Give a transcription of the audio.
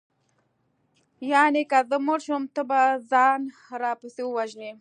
یانې که زه مړه شوم ته به ځان راپسې ووژنې